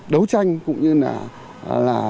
đấu tranh cũng như là